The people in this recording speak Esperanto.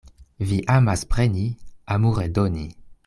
Vi amas preni, amu redoni.